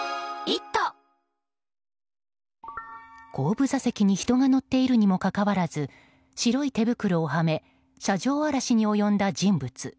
後部座席に人が乗っているにもかかわらず白い手袋をはめ車上荒らしに及んだ人物。